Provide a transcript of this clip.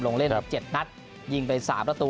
ลงเล่น๗นัดยิงไป๓ประตู